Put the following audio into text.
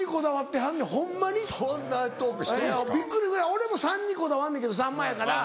俺も３にこだわんねんけどさんまやから。